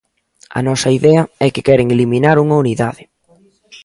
A nosa idea é que queren eliminar unha unidade.